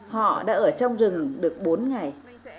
họ đã ở trong rừng được bốn ngày